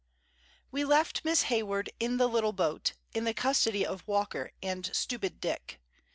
_ WE left Miss Hayward in the little boat, in the custody of Walker and stupid Dick.